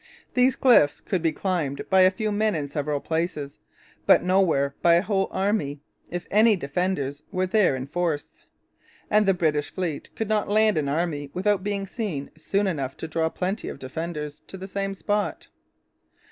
These cliffs could be climbed by a few men in several places; but nowhere by a whole army, if any defenders were there in force; and the British fleet could not land an army without being seen soon enough to draw plenty of defenders to the same spot.